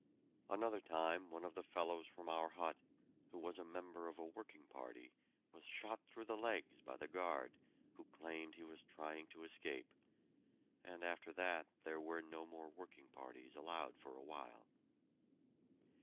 Another time one of the fellows from our hut, who was a member of a working party, was shot through the legs by the guard, who claimed he was trying to escape, and after that there were no more working parties allowed for a while.